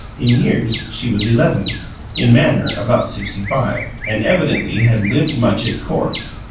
In years she was eleven, in manner about sixty five, and evidently had lived much at court.